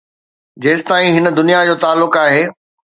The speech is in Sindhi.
جيستائين هن دنيا جو تعلق آهي.